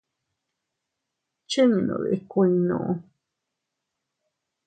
¿Chinnud ikuinnu?